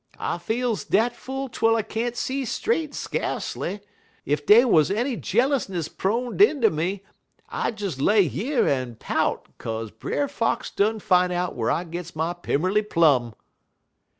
I feels dat full twel I can't see straight skacely. Ef dey wuz any jealousness proned inter me, I'd des lay yer en pout 'kaze Brer Fox done fine out whar I gits my Pimmerly Plum.'